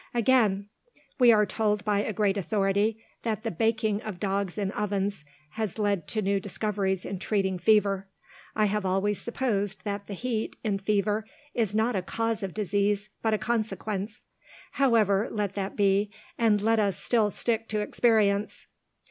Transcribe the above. "Again. We are told by a great authority that the baking of dogs in ovens has led to new discoveries in treating fever. I have always supposed that the heat, in fever, is not a cause of disease, but a consequence. However, let that be, and let us still stick to experience.